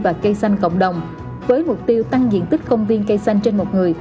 và cây xanh cộng đồng với mục tiêu tăng diện tích công viên cây xanh trên một người